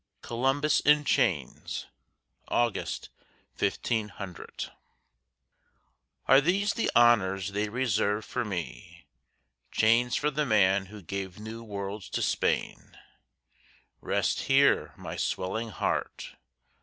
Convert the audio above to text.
COLUMBUS IN CHAINS [August, 1500] Are these the honors they reserve for me, Chains for the man who gave new worlds to Spain! Rest here, my swelling heart!